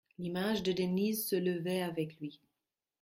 L'image de Denise se levait avec lui.